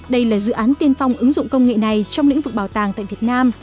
đây là dự án tiên phong ứng dụng công nghệ này trong lĩnh vực bảo tàng tại việt nam